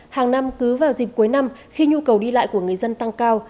hàng năm cứ vào dịp cuối năm khi nhu cầu đi lại của người dân tăng cao